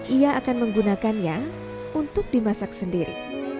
ia akan menggunakannya untuk dimasak sendiri